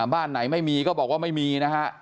บ้านไหนไม่มีก็บอกว่าไม่มีนะฮะ